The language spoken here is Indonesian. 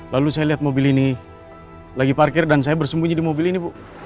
lalu saya lihat mobil ini lagi parkir dan saya bersembunyi di mobil ini bu